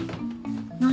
何？